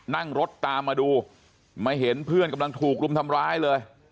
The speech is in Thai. นั่งรถตามมาดูมาเห็นเพื่อนกำลังถูกรุมทำร้ายเลย